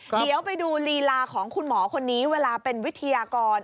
เดี๋ยวไปดูลีลาของคุณหมอคนนี้เวลาเป็นวิทยากร